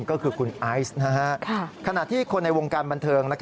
ก็คือคุณไอซ์ขณะที่คนในวงการบันเทิง